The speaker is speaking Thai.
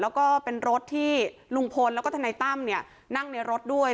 แล้วก็เป็นรถที่ลุงพลแล้วก็ทนายตั้มเนี่ยนั่งในรถด้วย